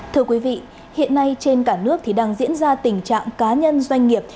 thưa quý vị hiện nay trên cả nước thì đang diễn ra tình trạng cá nhân doanh nghiệp